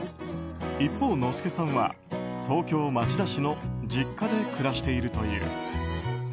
一方、Ｎｏｓｕｋｅさんは東京・町田市の実家で暮らしているという。